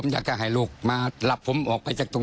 ดีใจจริง